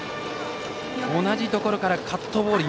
同じところからカットボール